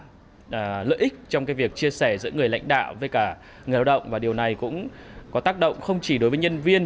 cái lợi ích trong cái việc chia sẻ giữa người lãnh đạo với cả người lao động và điều này cũng có tác động không chỉ đối với nhân viên